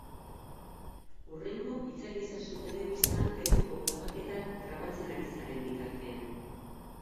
Hurrengo itzali ezazu telebista Gaituko grabaketak grabatzen ari zaren bitartean!